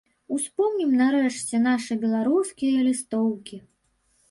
Успомнім, нарэшце, нашы беларускія лістоўкі.